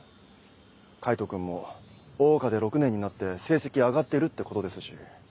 海斗君も桜花で６年になって成績上がってるってことですし。